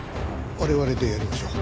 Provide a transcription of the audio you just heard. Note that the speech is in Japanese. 我々でやりましょう。